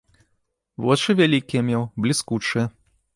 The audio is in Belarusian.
Вочы вялікія меў, бліскучыя.